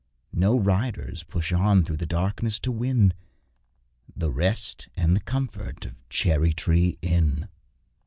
No riders push on through the darkness to win The rest and the comfort of Cherry tree Inn.